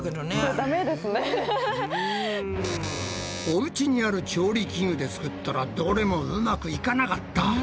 おうちにある調理器具でつくったらどれもうまくいかなかった。